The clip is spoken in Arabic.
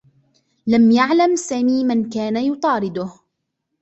لم يعلم سامي من كان يطارده.